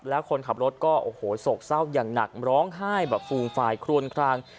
แล้วคนขับรถก็โอ้โหโศกเศร้าอย่างหนักร้องไห้แบบฟูมฟายครวนคลาง